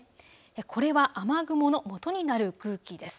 これは雨雲のもとになる空気です。